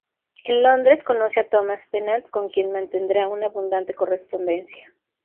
En Londres conoce a Thomas Pennant, con quien mantendrá una abundante correspondencia.